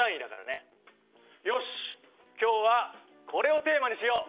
よし今日はこれをテーマにしよう。